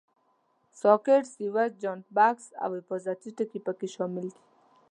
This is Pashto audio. ساکټ، سویچ، جاینټ بکس او حفاظتي ټکي پکې شامل دي.